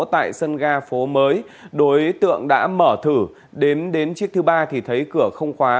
tại sân ga phố mới đối tượng đã mở thử đến chiếc thứ ba thì thấy cửa không khóa